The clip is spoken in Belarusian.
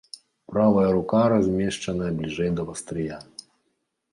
Правая рука размешчаная бліжэй да вастрыя.